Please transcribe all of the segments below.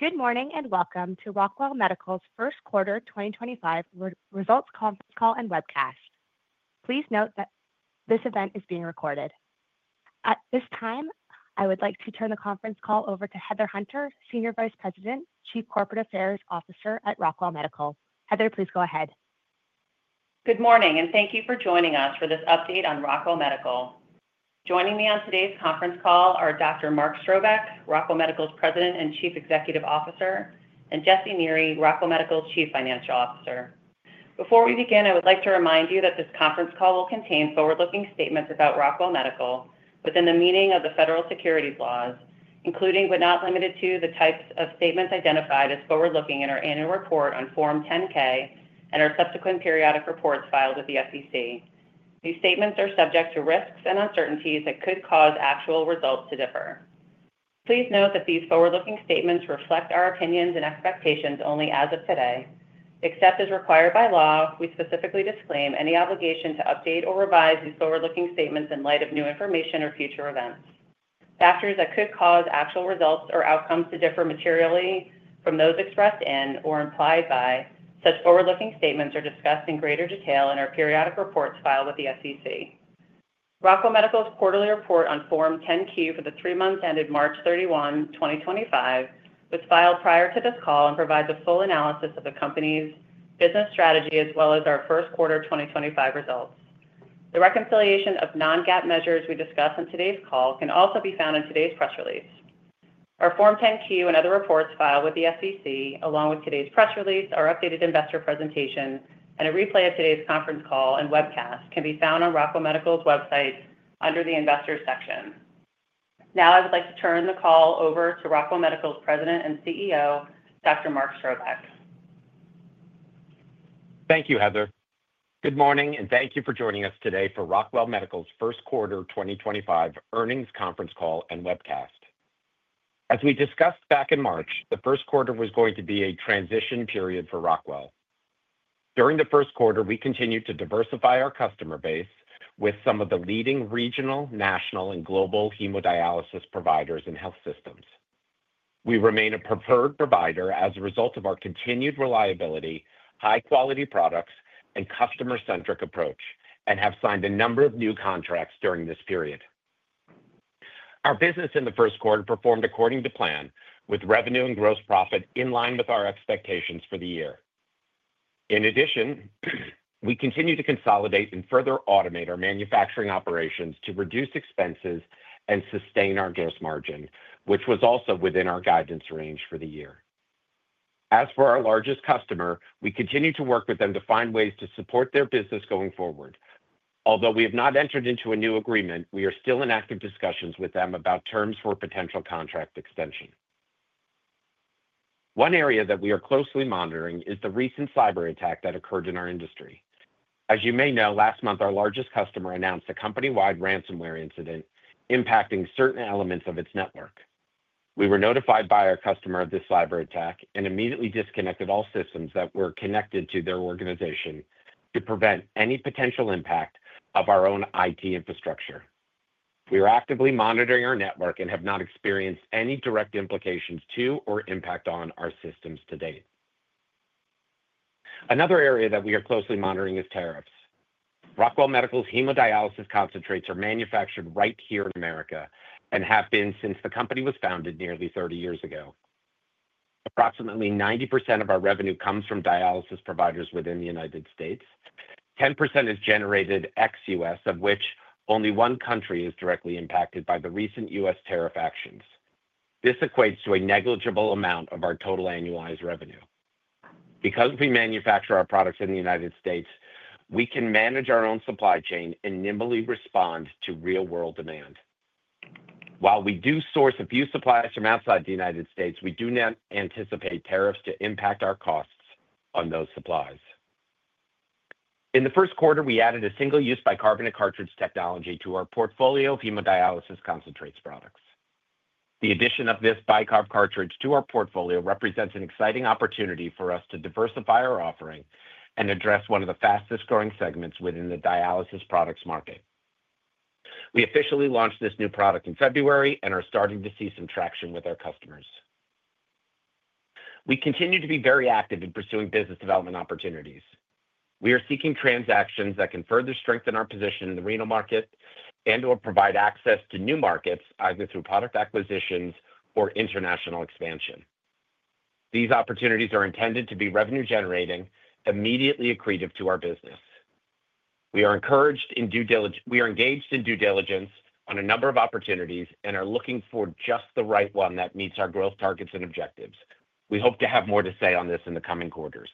Good morning and welcome to Rockwell Medical's first quarter 2025 results conference call and webcast. Please note that this event is being recorded. At this time, I would like to turn the conference call over to Heather Hunter, Senior Vice President, Chief Corporate Affairs Officer at Rockwell Medical. Heather, please go ahead. Good morning and thank you for joining us for this update on Rockwell Medical. Joining me on today's conference call are Dr. Marc Strobeck, Rockwell Medical's President and Chief Executive Officer, and Jesse Neri, Rockwell Medical's Chief Financial Officer. Before we begin, I would like to remind you that this conference call will contain forward-looking statements about Rockwell Medical within the meaning of the federal securities laws, including but not limited to the types of statements identified as forward-looking in our annual report on Form 10-K and our subsequent periodic reports filed with the SEC. These statements are subject to risks and uncertainties that could cause actual results to differ. Please note that these forward-looking statements reflect our opinions and expectations only as of today. Except as required by law, we specifically disclaim any obligation to update or revise these forward-looking statements in light of new information or future events. Factors that could cause actual results or outcomes to differ materially from those expressed in or implied by such forward-looking statements are discussed in greater detail in our periodic reports filed with the SEC. Rockwell Medical's quarterly report on Form 10-Q for the three months ended March 31, 2025, was filed prior to this call and provides a full analysis of the company's business strategy as well as our first quarter 2025 results. The reconciliation of non-GAAP measures we discuss on today's call can also be found in today's press release. Our Form 10-Q and other reports filed with the SEC, along with today's press release, our updated investor presentation, and a replay of today's conference call and webcast, can be found on Rockwell Medical's website under the investors section. Now, I would like to turn the call over to Rockwell Medical's President and CEO, Dr. Mark Strobeck. Thank you, Heather. Good morning and thank you for joining us today for Rockwell Medical's first quarter 2025 earnings conference call and webcast. As we discussed back in March, the first quarter was going to be a transition period for Rockwell. During the first quarter, we continued to diversify our customer base with some of the leading regional, national, and global hemodialysis providers and health systems. We remain a preferred provider as a result of our continued reliability, high-quality products, and customer-centric approach, and have signed a number of new contracts during this period. Our business in the first quarter performed according to plan, with revenue and gross profit in line with our expectations for the year. In addition, we continue to consolidate and further automate our manufacturing operations to reduce expenses and sustain our gross margin, which was also within our guidance range for the year. As for our largest customer, we continue to work with them to find ways to support their business going forward. Although we have not entered into a new agreement, we are still in active discussions with them about terms for potential contract extension. One area that we are closely monitoring is the recent cyber attack that occurred in our industry. As you may know, last month, our largest customer announced a company-wide ransomware incident impacting certain elements of its network. We were notified by our customer of this cyber attack and immediately disconnected all systems that were connected to their organization to prevent any potential impact of our own IT infrastructure. We are actively monitoring our network and have not experienced any direct implications to or impact on our systems to date. Another area that we are closely monitoring is tariffs. Rockwell Medical's hemodialysis concentrates are manufactured right here in America and have been since the company was founded nearly 30 years ago. Approximately 90% of our revenue comes from dialysis providers within the United States. 10% is generated ex-U.S., of which only one country is directly impacted by the recent U.S. tariff actions. This equates to a negligible amount of our total annualized revenue. Because we manufacture our products in the United States, we can manage our own supply chain and nimbly respond to real-world demand. While we do source a few supplies from outside the United States, we do not anticipate tariffs to impact our costs on those supplies. In the first quarter, we added a single-use bicarbonate cartridge technology to our portfolio of hemodialysis concentrates products. The addition of this bicarb cartridge to our portfolio represents an exciting opportunity for us to diversify our offering and address one of the fastest-growing segments within the dialysis products market. We officially launched this new product in February and are starting to see some traction with our customers. We continue to be very active in pursuing business development opportunities. We are seeking transactions that can further strengthen our position in the renal market and/or provide access to new markets, either through product acquisitions or international expansion. These opportunities are intended to be revenue-generating, immediately accretive to our business. We are engaged in due diligence on a number of opportunities and are looking for just the right one that meets our growth targets and objectives. We hope to have more to say on this in the coming quarters.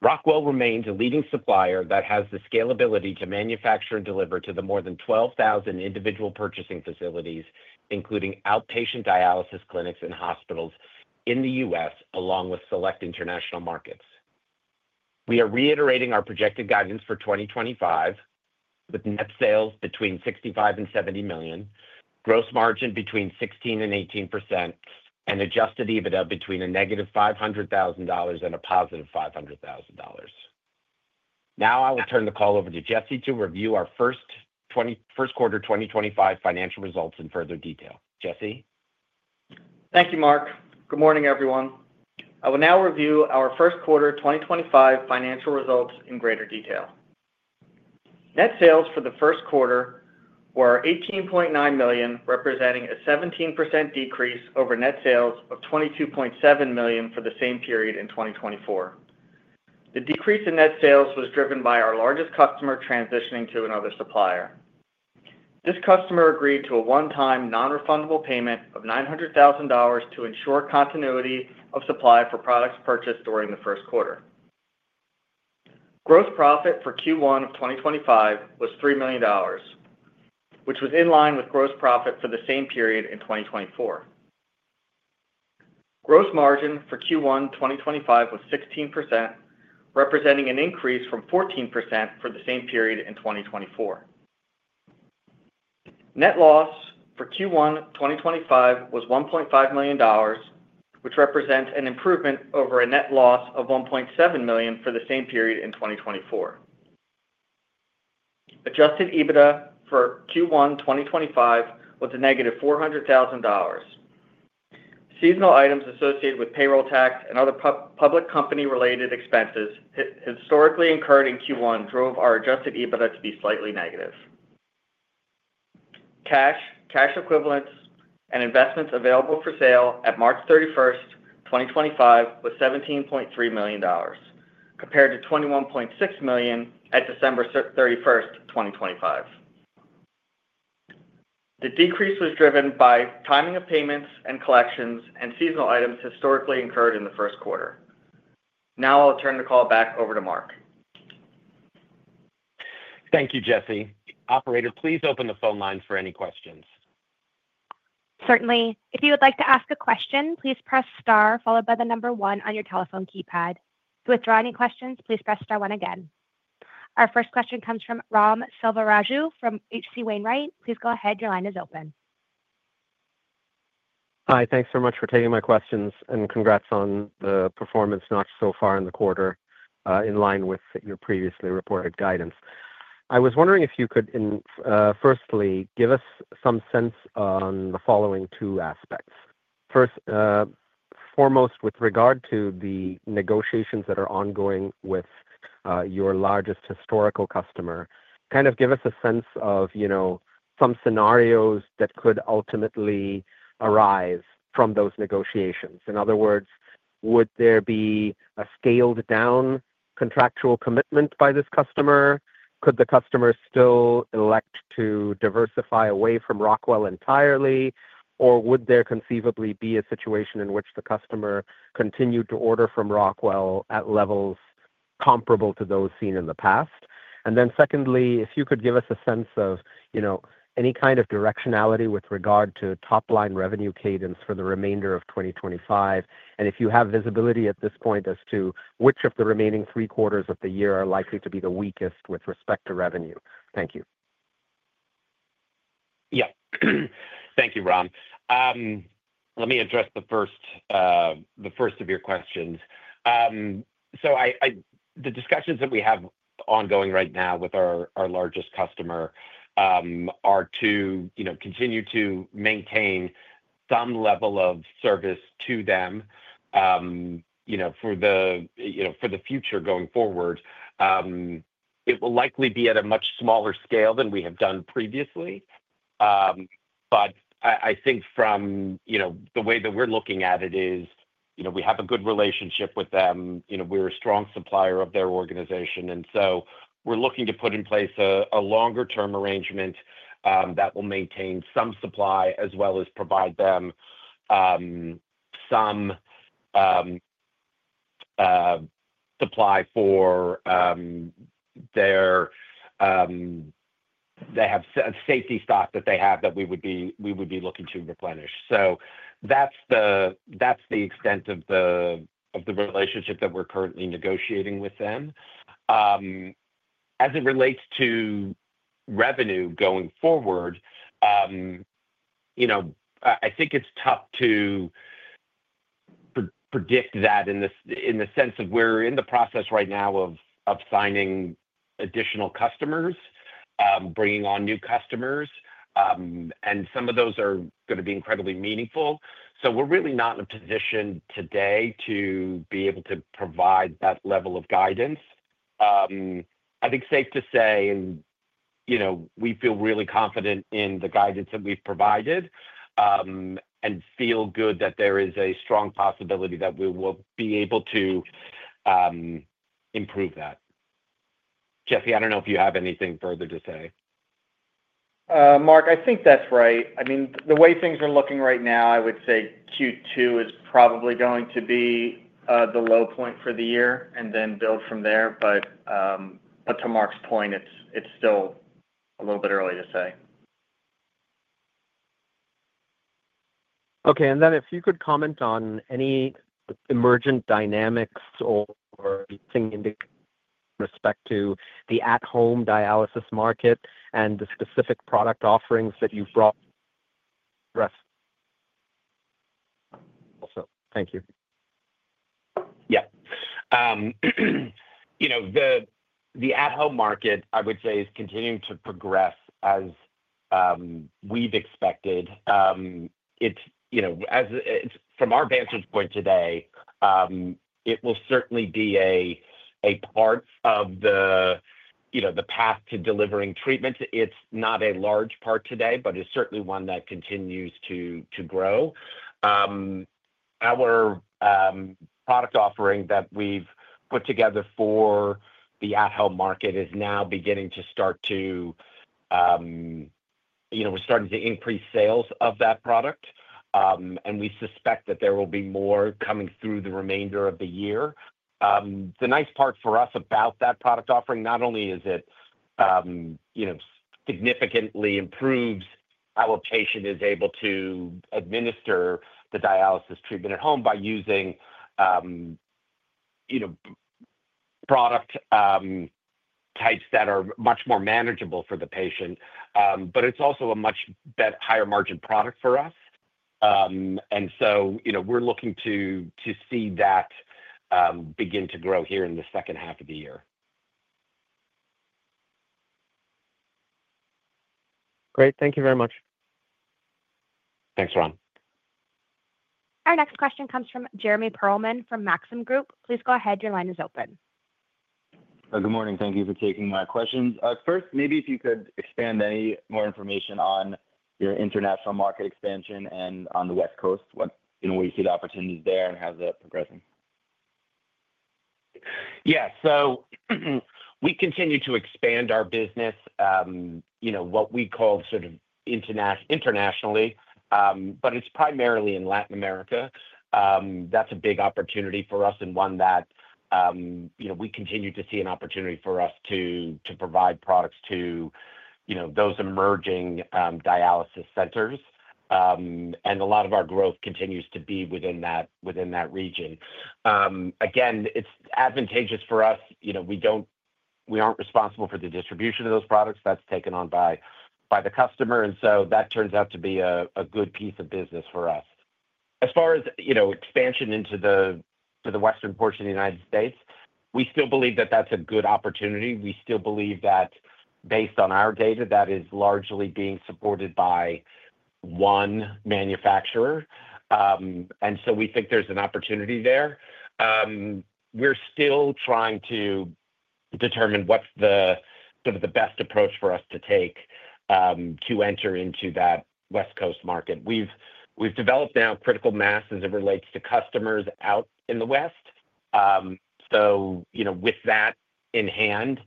Rockwell remains a leading supplier that has the scalability to manufacture and deliver to the more than 12,000 individual purchasing facilities, including outpatient dialysis clinics and hospitals in the U.S., along with select international markets. We are reiterating our projected guidance for 2025, with net sales between $65 million and $70 million, gross margin between 16% and 18%, and adjusted EBITDA between a negative $500,000 and a positive $500,000. Now, I will turn the call over to Jesse to review our first quarter 2025 financial results in further detail. Jesse. Thank you, Marc. Good morning, everyone. I will now review our first quarter 2025 financial results in greater detail. Net sales for the first quarter were $18.9 million, representing a 17% decrease over net sales of $22.7 million for the same period in 2024. The decrease in net sales was driven by our largest customer transitioning to another supplier. This customer agreed to a one-time non-refundable payment of $900,000 to ensure continuity of supply for products purchased during the first quarter. Gross profit for Q1 of 2025 was $3 million, which was in line with gross profit for the same period in 2024. Gross margin for Q1 2025 was 16%, representing an increase from 14% for the same period in 2024. Net loss for Q1 2025 was $1.5 million, which represents an improvement over a net loss of $1.7 million for the same period in 2024. Adjusted EBITDA for Q1 2025 was a negative $400,000. Seasonal items associated with payroll tax and other public company-related expenses historically incurred in Q1 drove our adjusted EBITDA to be slightly negative. Cash, cash equivalents, and investments available for sale at March 31, 2025, was $17.3 million, compared to $21.6 million at December 31, 2024. The decrease was driven by timing of payments and collections and seasonal items historically incurred in the first quarter. Now, I'll turn the call back over to Marc. Thank you, Jesse. Operator, please open the phone lines for any questions. Certainly. If you would like to ask a question, please press star followed by the number one on your telephone keypad. To withdraw any questions, please press star one again. Our first question comes from Ram Selvaraju from HC Wainwright. Please go ahead. Your line is open. Hi. Thanks so much for taking my questions, and congrats on the performance notch so far in the quarter, in line with your previously reported guidance. I was wondering if you could, firstly, give us some sense on the following two aspects. First, foremost, with regard to the negotiations that are ongoing with your largest historical customer, kind of give us a sense of some scenarios that could ultimately arise from those negotiations. In other words, would there be a scaled-down contractual commitment by this customer? Could the customer still elect to diversify away from Rockwell Medical entirely, or would there conceivably be a situation in which the customer continued to order from Rockwell Medical at levels comparable to those seen in the past? Secondly, if you could give us a sense of any kind of directionality with regard to top-line revenue cadence for the remainder of 2025, and if you have visibility at this point as to which of the remaining three quarters of the year are likely to be the weakest with respect to revenue. Thank you. Yeah. Thank you, Ram. Let me address the first of your questions. The discussions that we have ongoing right now with our largest customer are to continue to maintain some level of service to them for the future going forward. It will likely be at a much smaller scale than we have done previously. I think from the way that we're looking at it is we have a good relationship with them. We're a strong supplier of their organization, and we're looking to put in place a longer-term arrangement that will maintain some supply as well as provide them some supply for their safety stock that they have that we would be looking to replenish. That's the extent of the relationship that we're currently negotiating with them. As it relates to revenue going forward, I think it's tough to predict that in the sense of we're in the process right now of signing additional customers, bringing on new customers, and some of those are going to be incredibly meaningful. We are really not in a position today to be able to provide that level of guidance. I think it's safe to say we feel really confident in the guidance that we've provided and feel good that there is a strong possibility that we will be able to improve that. Jesse, I don't know if you have anything further to say. Marc, I think that's right. I mean, the way things are looking right now, I would say Q2 is probably going to be the low point for the year and then build from there. To Marc's point, it's still a little bit early to say. Okay. If you could comment on any emergent dynamics or anything with respect to the at-home dialysis market and the specific product offerings that you've brought. Thank you. Yeah. The at-home market, I would say, is continuing to progress as we've expected. From our vantage point today, it will certainly be a part of the path to delivering treatments. It's not a large part today, but it's certainly one that continues to grow. Our product offering that we've put together for the at-home market is now beginning to start to—we're starting to increase sales of that product, and we suspect that there will be more coming through the remainder of the year. The nice part for us about that product offering, not only is it significantly improved—our patient is able to administer the dialysis treatment at home by using product types that are much more manageable for the patient, but it's also a much higher-margin product for us. We are looking to see that begin to grow here in the second half of the year. Great. Thank you very much. Thanks, Ram. Our next question comes from Jeremy Perlman from Maxim Group. Please go ahead. Your line is open. Good morning. Thank you for taking my questions. First, maybe if you could expand any more information on your international market expansion and on the West Coast, where you see the opportunities there and how's that progressing. Yeah. We continue to expand our business, what we call sort of internationally, but it's primarily in Latin America. That's a big opportunity for us and one that we continue to see an opportunity for us to provide products to those emerging dialysis centers. A lot of our growth continues to be within that region. Again, it's advantageous for us. We aren't responsible for the distribution of those products. That's taken on by the customer. That turns out to be a good piece of business for us. As far as expansion into the western portion of the United States, we still believe that that's a good opportunity. We still believe that, based on our data, that is largely being supported by one manufacturer. We think there's an opportunity there. We're still trying to determine what's sort of the best approach for us to take to enter into that West Coast market. We've developed now critical mass as it relates to customers out in the West. With that in hand,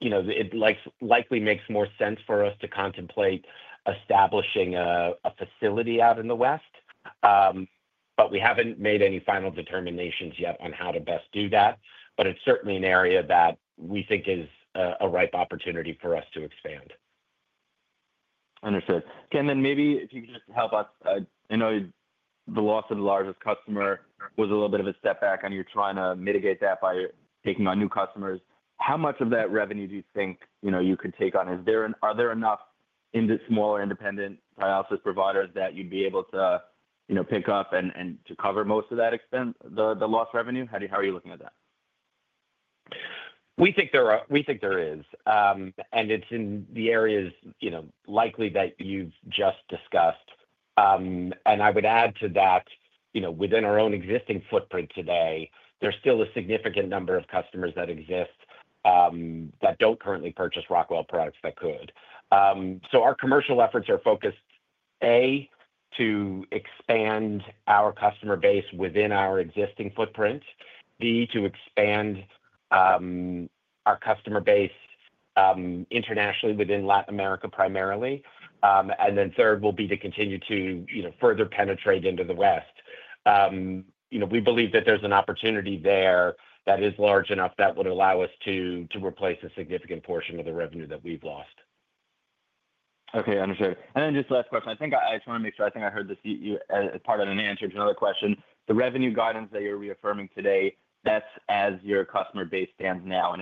it likely makes more sense for us to contemplate establishing a facility out in the West. We haven't made any final determinations yet on how to best do that. It's certainly an area that we think is a ripe opportunity for us to expand. Understood. Tim, then maybe if you could just help us. I know the loss of the largest customer was a little bit of a setback, and you're trying to mitigate that by taking on new customers. How much of that revenue do you think you could take on? Are there enough smaller independent dialysis providers that you'd be able to pick up and to cover most of that expense, the lost revenue? How are you looking at that? We think there is. It is in the areas likely that you have just discussed. I would add to that, within our own existing footprint today, there is still a significant number of customers that exist that do not currently purchase Rockwell products that could. Our commercial efforts are focused, A, to expand our customer base within our existing footprint, B, to expand our customer base internationally within Latin America primarily, and then third, will be to continue to further penetrate into the West. We believe that there is an opportunity there that is large enough that would allow us to replace a significant portion of the revenue that we have lost. Okay. Understood. Just the last question. I just want to make sure I think I heard this as part of an answer to another question. The revenue guidance that you're reaffirming today, that's as your customer base stands now.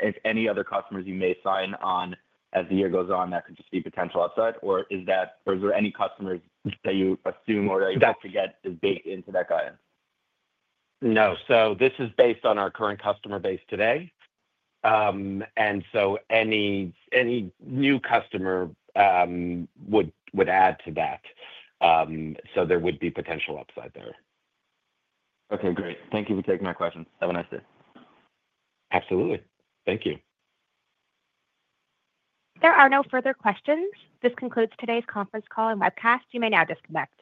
If any other customers you may sign on as the year goes on, that could just be potential upside, or is there any customers that you assume or that you hope to get is baked into that guidance? No. This is based on our current customer base today. Any new customer would add to that. There would be potential upside there. Okay. Great. Thank you for taking my questions. Have a nice day. Absolutely. Thank you. There are no further questions. This concludes today's conference call and webcast. You may now disconnect.